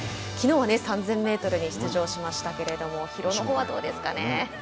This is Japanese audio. きのうは３０００ｍに出場しましたけれども疲労のほうはどうでしょうかね。